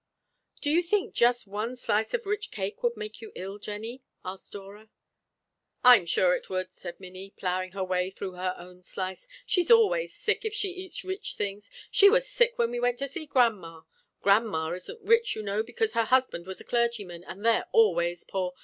"Do you think just one slice of rich cake would make you ill, Jennie?" asked Dora. "I am sure it would," said Minnie, ploughing her way through her own slice. "She's always sick, if she eats rich things. She was sick when we went to see grandma. Grandma isn't rich, you know, because her husband was a clergyman, and they're always poor.